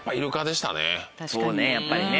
そうねやっぱりね。